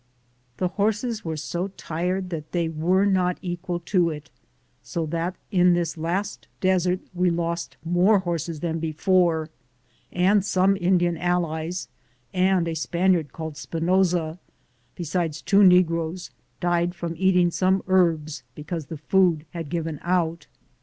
The horses were so tired that they were not equal to it, so that in this last desert we lost more horses than before ; and some Indian allies and a Spaniard called Spinosa, besides two negroes, died from eating some herbs because the food had given out.